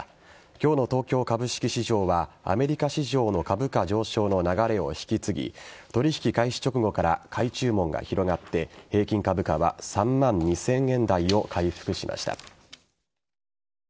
今日の東京株式市場はアメリカ市場の株価上昇の流れを引き継ぎ取引開始直後から買い注文が広がって平均株価は３万２０００円台を回復しました。